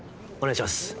お願いします。